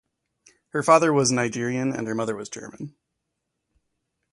Her father was Nigerian and her mother was German.